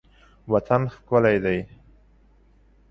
وطن ښکلی دی.